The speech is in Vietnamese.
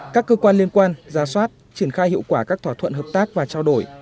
các cơ quan liên quan giá soát triển khai hiệu quả các thỏa thuận hợp tác và trao đổi